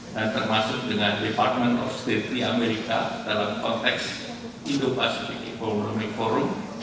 dan termasuk dengan department of state di amerika dalam konteks indo pacific economic forum